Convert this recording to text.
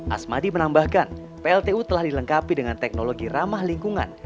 asmadi menambahkan pltu telah dilengkapi dengan teknologi ramah lingkungan